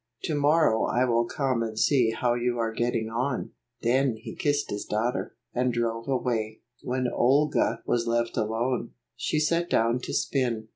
To morrow I will come and see how you are getting on." Then he kissed his daughter, and drove away. 28 2 9 When Olga was left alone, she sat down to spin.